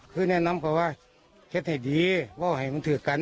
คือแนะนำเขาว่าเคล็ดให้ดีว่าให้มันถือกัน